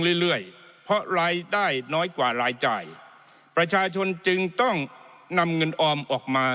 เรื่อยเพราะรายได้น้อยกว่ารายจ่ายประชาชนจึงต้องนำเงินออมออกมา